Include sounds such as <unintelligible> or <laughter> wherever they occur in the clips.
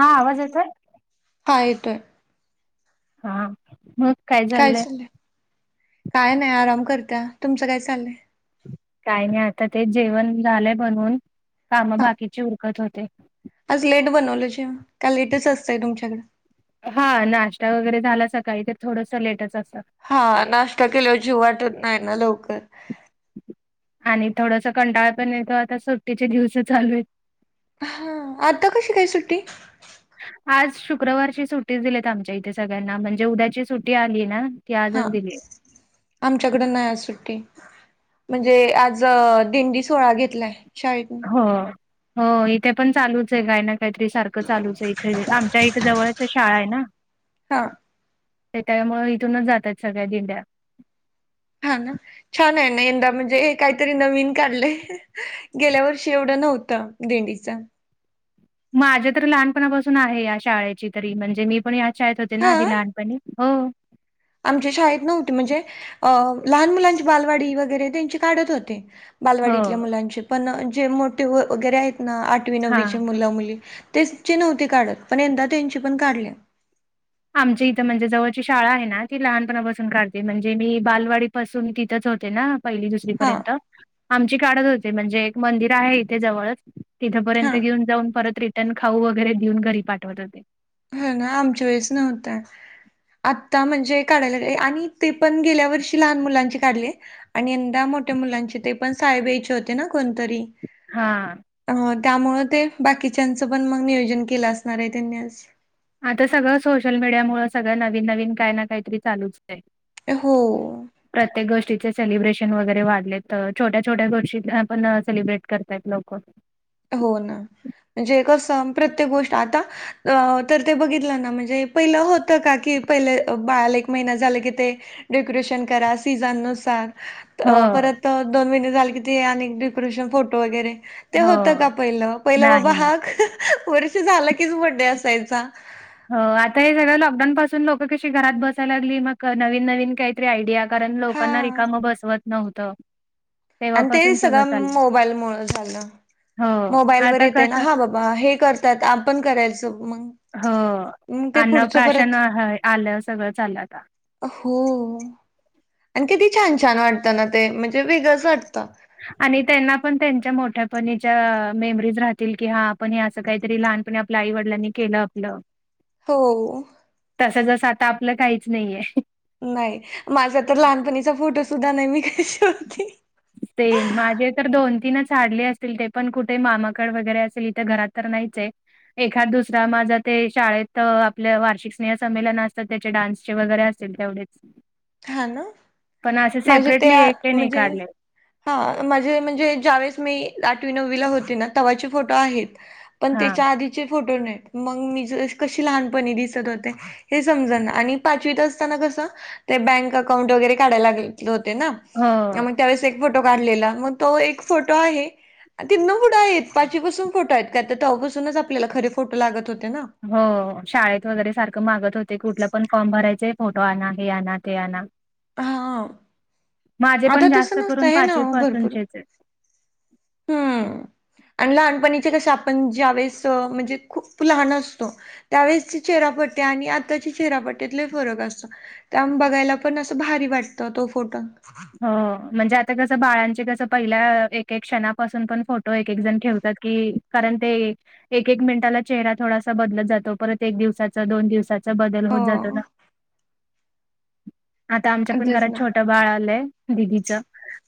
हा आवाज येतोय? हा येतोय हा मस् काय चालयं. काय नाही आराम करत्या, तुमचं काय चाललंय? काही नाही आता ते जेवण झालंय बनवुन, कामं हा बाकीची उरकत होते. आज लेट बनवलं जेवण. का लेटच असतंय तुमच्याक हा, नाश्ता वगैरे झाला सकाळी तर थोडसं लेटच असतं. हा, नाश्ता केल्यावर जेवू वाटत नाही ना लवकर. आणि थोडस कंटाळा पण येतो, आता सुट्टीचे दिवस चालू आहे हा, आता कशी काय सुट्टी? आज शुक्रवारची सुट्टी च दिलेत आमच्या इथे सगळ्यांना, म्हणजे उद्याची सुट्टी आली ना ती आजच दिलेय आच्याकडं नाय आज सुट्टी. म्हणजे आज दिंडी सोहळा घेतलाय शाळेत. हो हो, इथे पण चालूच आहे काय ना काहीतरी सारखं चालूच आहे इथे, आ च्या इथं जवळच्या शाळा आहे ना हा. ते त्यामुळे इथूनच जातात सगळ्या दिंड्या. हा ना, छान आहे ना, यंदा म्हणजे काहीतरी नवीन काढलय. गेल्या वर्षी एवढं नव्हतं, दिंडीच‌. माझ्या तर लहानपणापासून आहे या शाळेची तरी, म्हणजे मी पण यात शाळेत होते ना आधी हा लहानपणी, हो आमच्या शाळेत नव्हती, म्हणजे अ लहान मुलांची बालवाडी वगैरे त्यांची काढत होते‌. बालवाडीतल्या हो. मुलांचे, पण जे मोठे वगैरे आहेत ना आठवी नववीचे हां. मुलं मुली तेंची नव्हती काढत, पण यंदा त्यांची पण काढली आमची इथं म्हणजे जवळची शाळा आहे ना, ती लहानपणापासून काढते, म्हणजे मी बालवाडीत पासून तिथंच होते ना, पहिली दुस री हां, पर्यंत, आमची काढत होते, म्हणजे एक मंदिर आहे इथे जवळच तिथंपर्यंत हां. घेऊन जाऊन परत रिटर्न खाऊ वगैरे देऊन घरी पाठवत होते. हो ना, आमच्या वेळेस नव्हतं. आत्ता म्हणजे काढाय लागले, आणि ते पण गेल्या वर्षी लहान मुलांचे काढले आणि यंदा मोठ्या मुलांचे, ते पण साहेब यायचे होते ना कोणतरी? हा. अ त्यामुळं ते, बाकीच्यांचं पण मग नियोजन केलं असणार आहे त्यांनी आज आता सगळं सोशल मीडिया मुळं सगळं नवीन नवीन काय ना काहीतरी चालूच होतय. हो. प्रत्येक गोष्टीचे सेलिब्रेशन वगैरे वाढलेत, तर छोट्या छोट्या गोष्टी पण सेलिब्रेट करत लोकं हो ना, म्हणजे कसं प्रत्येक गोष्ट आता अ तर ते बघितलं ना, म्हणजे पहिलं होतं का की पहिले बाळाला एक महिना झाला की ते डेकोरेशन करा सीझननुसार हो. परत दोन महिने झाले की डेकोरेशन फोटो वगैरे ते होतं हो. का पहिला, पहिलं नाही, बाबा नाही. हा, वर्ष झालं कीच बडडे असायचा हो, आता हे सगळं लॉकडाऊन पासून लोकं कशी घरात बसाय लागली, मग नवीन नवीन काहीतरी आयडिया कारण लोकांना हां. रिकामं बसवत नव्हतं. आणि ते तेव्हापासून सगळं चाललंय. मोबाईल मुळं झालं, हो, मोबाईल वर आता येत आहे ना, कसं हा बाबा बा हे करतात, आपण करायचं मग? हो मग ते अन्न पुढचं प्राशन परत आलं सगळं आलं आता हो आणि कधी छान, छान वाटतं ना ते म्हणजे वेगळंच वाटतं. आणि त्यांना पण त्यांच्या मोठ्यापच्या मेमरीज राहतील की हा आपण हे असं काहीतरी लहानप आईवडिलांनी केलं आपलं. हो. तसं जसं आता आपलं काहीच नाहीये. नाही माझा तर लहानपणीचा फोटो सुद्धा नाही मी काही होती. ते माझे तर दोन तीनच <unintelligible> असतील ते पण कुठे मामाकड वगैरे असेल इथे घरात तर नाहीच आहे. एखाद दुसरा माझा ते शाळेत आपल्या वार्षिक स्नेह संमेलन असतात त्याचे डान्सचे वगैरे अस तेवढच हा ना पण असे माझे ते सेपरेटली आ एकही नाही म्हणजे काढले. हा माझे म्हणजे ज्यावेेळेस मी आठवी नववीला होते ना तव्हाचे फोटो आहेत. पण हा त्याच्या आधीचे फोटो नाहीत मग मी ज कशी लहानपणी दिसत होते? हे समज ना आणि पाचवीत असताना कसं ते बँक अकाउंट वगैरे काढायला लाग होते ना. हा. त्यावेेळेस एक फोटो काढलेला मग तो एक फोटो आहे. तिन फुटं आहेत पाचपसून फोटो आहेत का ते तेव्हापासून आपल्याला खरे फोटो लागत होते ना. हो शाळेत वगैरे सारखं मागत होते कुठला पण फॉर्म भरायचे फोटो आण हे आण ते आणा. हा माझे पण आता तसं जास्त नसतं करून आहे ना पाचवी ओ भरपूर पासूनचेचे. हम्म आणि लहानपणीचे कसे आपण ज्यावेेळेस म्हणजे खूप लहान असतो. त्यावेळेसची चेहरा पट्टी आणि आताच्या चेहरा पट्टी फरक असतो. त्या बघायला पण असं भारी वाटत तो फोटो. हो म्हणजे आता कसं बाळांचे कसं पहिल्या एक एक क्षणापासून पण फोटो एक एक जण ठेवतात की. कारण ते एक एक मिनिटाला चेहरा थोडासा बदलत जातो परत एक दिवसाचा दोन दिवसा बदल होत जातो हो ना. आता आमच्या पण तेच घरात ना छोट बाळ आलंय दिदीच.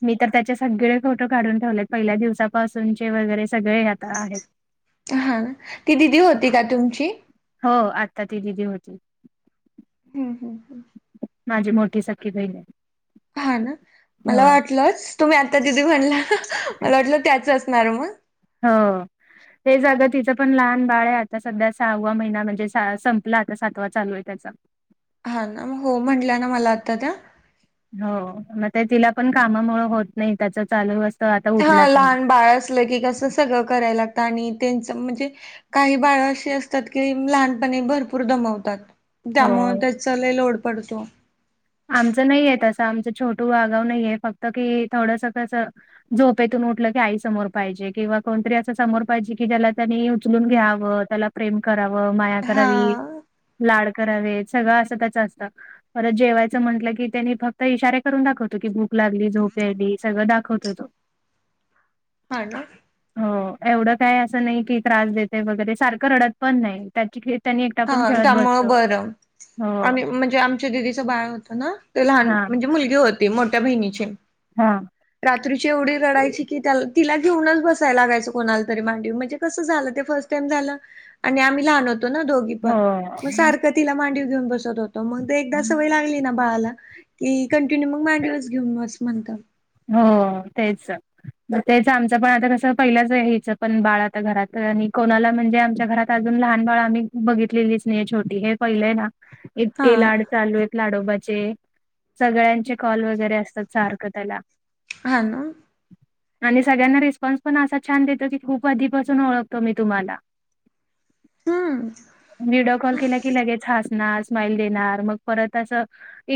मी तर त्याचे सगळे फोटो काढून ठेवलेत पहिल्या दिवसापासूनचे वगैरे सगळे आता आहेत. हा ती दिदी होती का तुमची? हो आता ती दिदी होती. हम् हम् ह. माझी मोठी सखी बहिण. हा ना मला वाटलंच तुम्ही आता दिदी म्हणला मला वाटलं त्याच असणार मग. हो. हे जाग तिचं पण लहान बाळ आहे आता सध्या सहावा महिना म्हणजे संपला आता सातवा चालू आहे त्याचा. हा ना मग हो म्हंटल्या ना मला आत्ता त्या. हो मग ते तिला पण कामामुळे होत नाही त्याचा चालूत आता उठलात नाही. लगीच असलं की कसं सगळं करायला त्यांनी आणि त्यांचं म्हणजे काही बाळ अशी असतात की लहानपणी भरपूर दमवतात. त्यामुळे हो त्याचाला लय लोड पडतो. आमचं नाहीय तसं आमचं छोटू आगाव नाहीये फक्त की थोडसं कसं झोपेतून उठलं की आई समोर पाहिजे किंवा कोणतरी असं समोर पाहिजे कि ज्याला त्यांनी उचलून घ्यावं त्याला प्रेम करावं माया हा करावी लाड करावे सगळं अस त्याच असत पर जेवा म्हटलं की त्यांनी फक्त इशारे करून दाखवतो की भूक लागली झोपे यायली सगळं दाखवतो तो. <inaudible> हा ना. हो एवढं काय असं नाही की त्रास देते वगैरे सारखं रडत पण नाही. त्याची ख त्यांनी एकटा पण हा खेळत बसत त्यामुळं हो. ची दिदीच बाळ होत ना ते लहान हां म्हणजे मुलगी होती मोठ्या बहिणीची. हां रात्रीची एवढी रडायची की त्या तिला घेऊनच बसाय लागाचं कोणाला तरी मांडीव म्हणजे कसं झालं ते फर्स्ट टाइम झालं आणि आम्ही लहान होतो ना दोघी. पण हो म सारखं तिला मांडीव घेऊन बसत होत म ते एकदा सवय लागली ना बाळाला की कंटिन्यू मग मांडीवच घेऊन बस म्हणत. हो तेच. मग तेच आमच पण आता कसं पहिल्याच हीचं पण बाळ आता घरात आणि कोणाला म्हणजे आमच्या घरात त अजून लहान बाळा आम्ही बघितलेलीच नाही छोटी हे पहिलंय ना. हा इतके लाड चालू आहेत लाडोबाचे सगळ्यांचे कॉल वगैरे असतात सारखं त्याला. हा ना. आणि सगळ्यांना रिस्पॉन्स पण असा छान देतो की खूप आधीपासून ओळखतो मी तुम्हाला. हम्म. व्हिडिओ कॉल केला की लगेच हसणार स्माइल देणार मग परत असं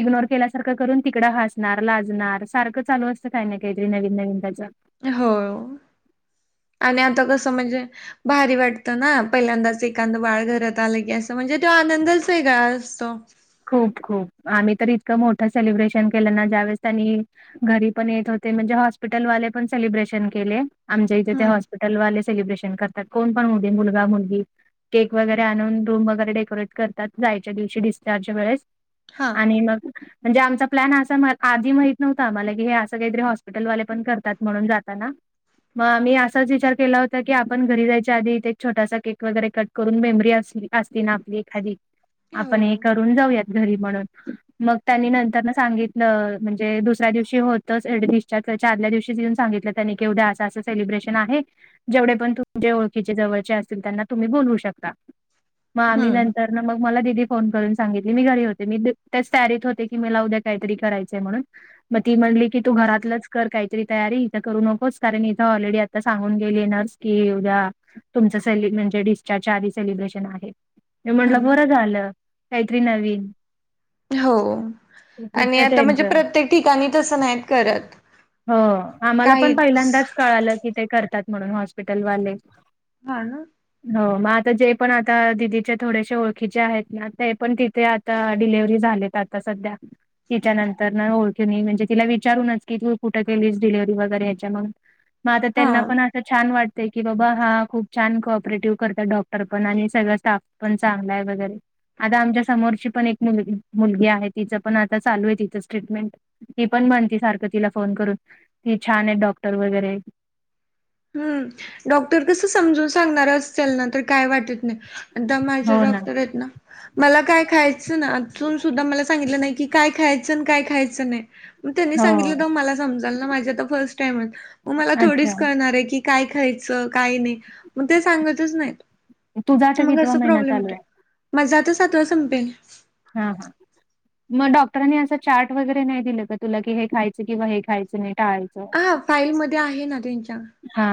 इग्नोर केल्यासारखं करून तिकडं हसणार लाजणार सारखं चालू अस च काय न काय तरी नवीन नवीन त्याच. हो आणि आता कसं म्हणजे भारी वाटतं ना पहिल्यांदाच एखाद बाळ घरात आलं की असं म्हणजे तो आनंदच वेगळा असतो. खूप खूप आम्ही तर इतकं मोठं सेलिब्रेशन केलं ना ज्यावेेळेस त्यानी घरी पण येत होते म्हणजे हॉस्पिटलवाले पण सेलिब्रेशन केले आमच्या इथे ते हम्म हॉ पीटलवाले सेलिब्रेन करतात कोण पण होऊदे मुलगा मुलगी. केक वगैेरे आणून रूम वगैरे डेकोरेट करतात जायच्या दिवशी डिस चार्ज वेळेस हा आणि मग म्हणजे आमचा प्लॅन अस आधी माहित नव्हता आम्हाला की हे असं काहीतरी हॉस्पिटल वाले पण करतात म्हणून जाताना. म आम्ही असाच विचार केला होता की आपण घरी जायच्या आधी इथे एक छोटासा केक वगैरे कट करून मेमरी अस असती ना आपली एखादी हो आपण हे करून जाऊयात घरी म्हणून. मग त्यांनी नंतर न सांगितलं म्हणजे दुसऱ्या दिवशी होतच ए डिस्चार्ज आदल्या दिवशी येऊन सांगितलं त्यांनी की उद्या असं असं सेलिब्रेशन आहे. जेवढे पण तुमचे ओळखीचे जवळचे असतील त्यांना तुम्ही बोलवू शकता. म आम्ही हम्म नंतरन मग मला फोन करून सांगितली मी घरी होते मी त्याच तयारीत होते की मला उद्या काहीतरी करायचंय म्हणून. म ती म्हणली की तू घरातलंच कर काहीतरी तयारी इथं करू नकोस कारण इथं ऑलरेडी ता सांगून गेली नर्स की उद्या तुमचं सेल म्हजे डिस्चार्जच्या आदी सेलिब्रेशन आहे. मी हा म्हटलं ना बरं झालं काहीतरी नवीन. हो आणि तिथं आता म्हणजे त्यांचं प्रत्येक ठिकाणी तसं नाहीत करत. हो आम्हाला पण काहीच पहिल्यांदाच कळालं की ते करतात म्हणून हॉस्पिटलवाले. हा ना. हो मग आता जे पण आता दिदीच्या थोडेश ओळखीचे आहेत ना ते पण तिथे आता डिलेव्हरी झालेत आता सध्या. तिच्या नंतरन ओळखिने म्हणजे तिला विचारूनच की तू कुठे केलीस डिलिव्ह वगैरे याच्या मग. मग आता हा त्यांना पण छान वाटतेय की बाबा हा खूप छान को ऑपरेटिव्ह करतात डॉक्टर पण आणि सगळं स्टाफ पण चांगला आहे वगैरे आता आमच्या समोरची पण एक मुल मुलगी आहे तिचं पण आता चालू आहे तिचं ट्रीटमेंट ती पण म्हणती सारखं तिला फोन करून ती छान आहेत डॉक्टर वगैरे हम्म डॉक्टर कस समजून सांगणार असेल ना तर काय वाटत नाही. एकदा माझ्ये डॉक्टर आहेत ना मला काय खायचं ना सुधा मला सांगितलं नाही की काय खायचं काय खायचंय नाही मग त्यांनी हो सांगितलं मला समजल ना माझ्ये आता फर्स्ट टाईम आहे मग मला अच्छा थोडीच कळणार आहे की काय खायचं काय नाही मग ते सांगतच नाहीत. तुझा आता मग कितवा असं महिना प्रॉब्लेम चालू होतो आहे माजा आता सातवा संपेल हा हा मग डॉक्टरांनी असं चार्ट वगैरे नाही दिलं का तुला की हे खायचं किंवा हे खायचं नाही टाळायचं. हा फाईलमध्ये आहे ना त्यांच्या हा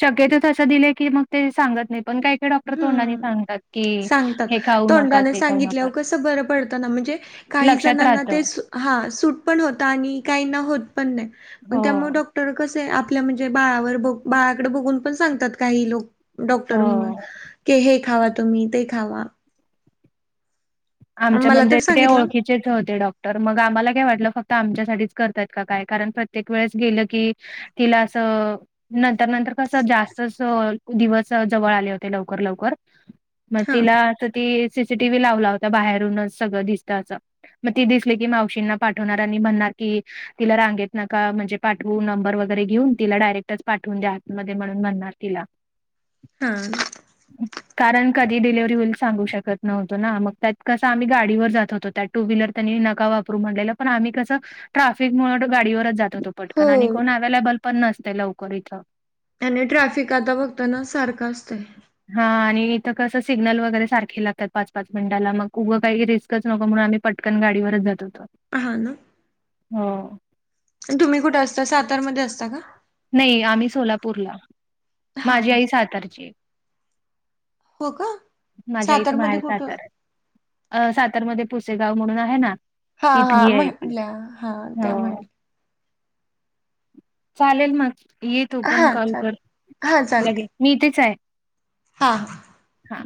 शक्यतो तसं दिलं की मग ते सांगत नाही पण काय हम्म सांगतात हे खाऊ नका, तोंडाने ते खाऊ नका. सांगितल्यावर कसं बरं पडतना म्हणजे काही लक्षात जणांना ते राहतं. हा सूट पण होत आणि काहीना होत पण नाही मग हो, त्यामुळे डॉक तर कसे आपल्या म्हणजे बाळावर ब बाळाकडे बघून पण सांगतात काही लोक डॉक्टर म्ह हो. की हे खावा तुम्ही, ते खावा आमच्या मला म्हणजे तर ते सांगितलं ओळखी होते डॉक्टर मग आम्हाला काय वाटलं फक्त आमच्यासाठीच करतयात काय कारण प्रत्येक वेळेस गेलं की तिला असं नंतर नंतर कसं जास्तच दिवस जवळ आले होते लवकर लवकर मग हां तिला ती सीसी टव्ही लावला होता बाहेरूनच सगळं दिसतं अस मग ती दिसले की मावशींना पाठवणार आणि म्हणणार की तिला रांगेत नका म्हणजे पाठवू नंबर वगैरे घेऊन तिला डायरेक्टच पाठवून द्या आतमध्ये म्हणून म्हणणार तिला <inaudible> ह कारण कधी डिलिव्हरी होईल सांगू शकत नव्हतो ना मग त्या कसं आम्ही गाडीवर जात होतो त्या टू व्हीलर त्यांनी नका वापरू म्हटलेलं पण आम्ही कसं ट्राफिक मुळं गाडीवरच जात होतो हो पटकन आणि कोण अवेलेबल पण नसते लवकर इथं त्यांनी ट्रॅफिक आता बघताना सारखं असतय. हा आणि इथं कसं सिग्नल वगैरे सारखे लागतात पाच पाच मिनिटाला मग उगं काही रिस्कच नको म्हणून आम्ही पटकन गाडीवरच जात होतो, हां ना हो. तुम्ही कुठे असता सातारमध्ये असता का? नाही आम्ही सोलापूरला हां माझी हां. आई सातारची हो का माझ्या आईच माहेर सातारमध्ये कुठं? सातार सातारामध्ये पुसेगाव म्हणून आहे ना हा हा तिथली आहे ती. म्हटंल्या हा त्या हो. म्हट चालेल मग ये तू पण हां कॉल चाल कर हां लगेल चालते मी इथेच आहे. हां हा